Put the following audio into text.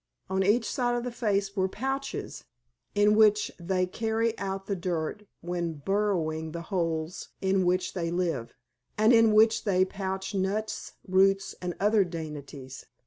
On each side of the face were pouches, in which they carry out the dirt when burrowing the holes in which they live, and in which they pouch nuts, roots, and other dainties.